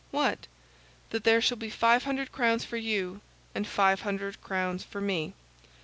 "What?" "That there shall be five hundred crowns for you, and five hundred crowns for me."